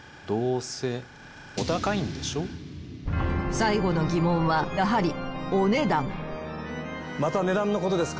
最後の疑問はやはりお値段。